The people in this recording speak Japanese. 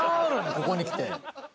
ここにきて？